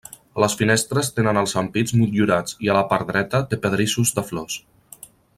Les finestres tenen els ampits motllurats, i a la part dreta té pedrissos de flors.